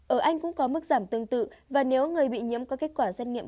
ở anh cũng có mức giảm tương tự và nếu người bị nhiễm có kết quả xét nghiệm